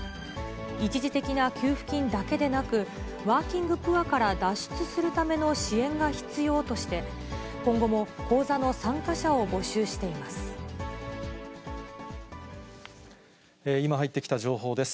一時的な給付金だけでなく、ワーキングプアから脱出するための支援が必要として、今後も講座の参加者を募集しています。